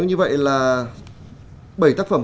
như vậy là bảy tác phẩm